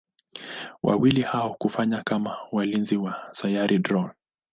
Wawili hao hufanya kama walinzi wa Sayari Drool.